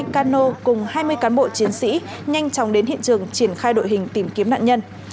ba cano cùng hai mươi cán bộ chiến sĩ nhanh chóng đến hiện trường triển khai đội hình tìm kiếm nạn nhân